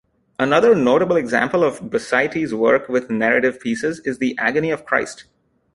Another notable example of Basaiti's work with narrative pieces is the Agony of Christ.